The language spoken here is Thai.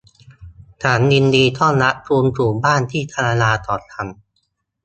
ฉันยินดีต้อนรับคุณสู่บ้านที่ธรรมดาของฉัน